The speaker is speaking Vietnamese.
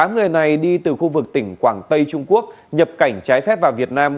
tám người này đi từ khu vực tỉnh quảng tây trung quốc nhập cảnh trái phép vào việt nam